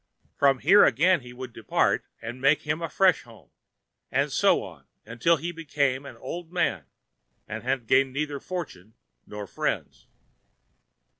From here again he would Depart and make him a Fresh Home, and so on until he Became an Old Man and had gained neither Fortune nor Friends.